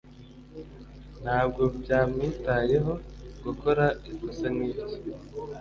Ntabwo byamwitayeho gukora ikosa nkiryo.